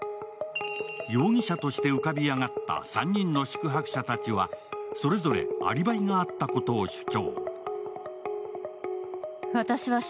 容疑者として浮かび上がった３人の宿泊者たちは、それぞれアリバイがあったことを主張。